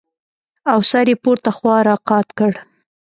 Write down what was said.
او سر يې پورته خوا راقات کړ.